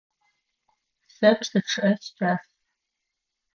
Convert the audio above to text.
Сэ псы чъыӏэ сикӏас.